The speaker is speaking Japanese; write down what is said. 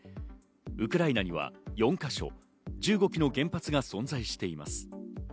ウクライナには４か所、１５基の原発が存在しています。